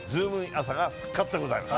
朝！が復活でございます。